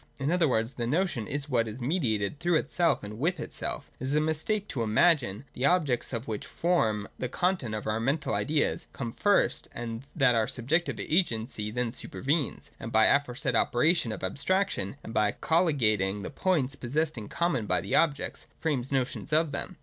In other words, the notion is what is mediated through itself and with itself. It is a mistake to imagine that the objects which form the content of our mental ideas come first and that our subjective agency then supervenes, and by the aforesaid operation of abstraction, and by colhgating the points possessed in common by the objects, frames notions of them.